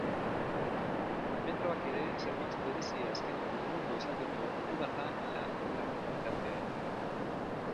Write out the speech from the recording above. Metroak ere zerbitzu berezia eskainiko du goizaldeko ordu bata eta hirurak bitartean.